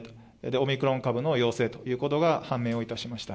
オミクロン株の陽性ということが判明をいたしました。